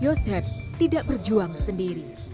yosef tidak berjuang sendiri